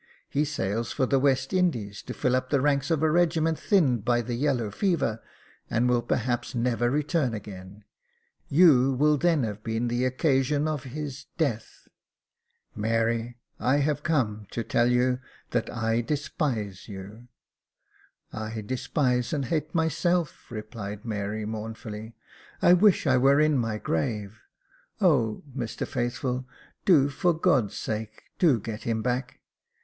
He sails for the West Indies to fill up the ranks of a regiment thinned by the yellow fever, and will perhaps never return again — you will then have been the occasion of his death. Mary, I have come to tell you that I despise you." *' I despise and hate myself," replied Mary, mournfully, " I wish I were in my grave. O, Mr Faithful, do for God's sake — do get him back.